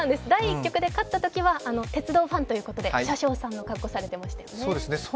第１局で勝ったときは鉄道ファンということで車掌さんの格好をされていましたよね。